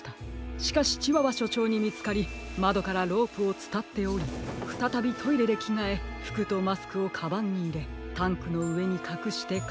しかしチワワしょちょうにみつかりまどからロープをつたっておりふたたびトイレできがえふくとマスクをカバンにいれタンクのうえにかくしてか